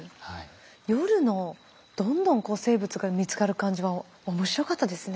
夜のどんどん生物が見つかる感じは面白かったですね。